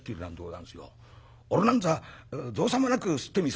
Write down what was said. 『俺なんざ造作もなくすってみせらぁ』